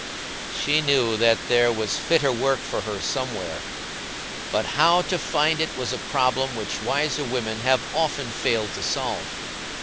She knew that there was fitter work for her somewhere, but how to find it was a problem which wiser women have often failed to solve.